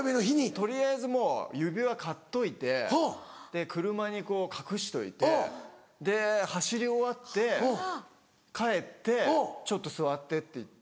取りあえずもう指輪買っといて車に隠しといてで走り終わって帰って「ちょっと座って」って言って。